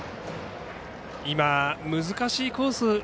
今、難しいコース。